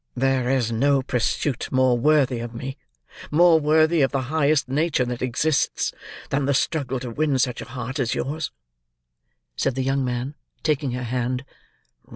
"There is no pursuit more worthy of me: more worthy of the highest nature that exists: than the struggle to win such a heart as yours," said the young man, taking her hand.